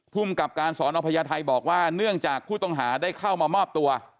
ภูมิกับการสอนอพญาไทยบอกว่าเนื่องจากผู้ต้องหาได้เข้ามามอบตัว